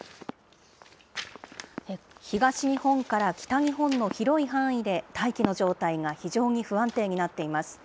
東日本から北日本の広い範囲で、大気の状態が非常に不安定になっています。